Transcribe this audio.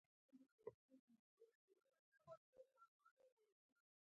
هغه خپلې کوټې ته ځي